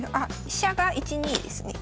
飛車が１二ですね。